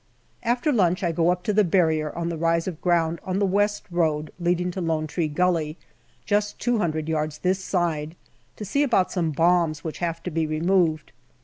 After lunch I go up to the Barrier on the rise of ground on the west road leading to Lone Tree Gully, just two hundred yards this side, to see about some bombs which have to be removed.